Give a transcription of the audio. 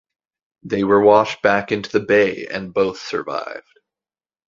They were washed back into the bay and both survived.